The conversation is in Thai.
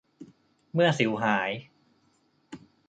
เมื่อสิวหาย